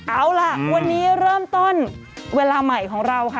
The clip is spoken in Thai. เอาล่ะวันนี้เริ่มต้นเวลาใหม่ของเราค่ะ